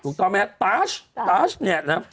ถูกต้องไหมฮะตัสตัสเนี่ยนะ